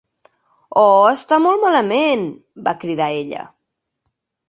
"Oh, està molt malament!", va cridar ella.